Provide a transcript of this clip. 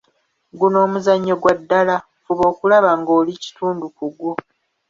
Guno omuzannyo gwa ddala, fuba okulaba ng'oli kitundu ku gwo.